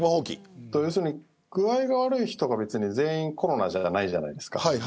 要するに具合悪い人が全員コロナではないじゃないですか。